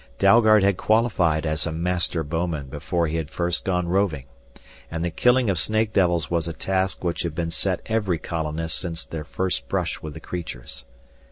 Dalgard had qualified as a master bowman before he had first gone roving. And the killing of snake devils was a task which had been set every colonist since their first brush with the creatures.